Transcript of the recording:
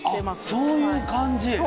そういう感じ？